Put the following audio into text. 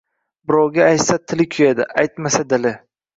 Birovga aytsa tili kuyadi, aytmasa dili